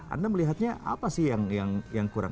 anda melihatnya apa sih yang kurang